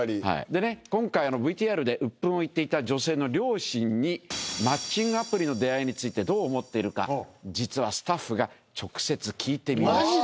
でね今回ＶＴＲでうっぷんを言っていた女性の両親にマッチングアプリの出会いについてどう思っているか実はスタッフが直接聞いてみました。